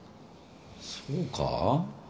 そうか？